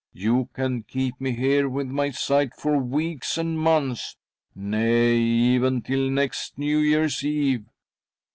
You can keep me here, with my scythe, for weeks and months — nay ! even till next New Year's Eve.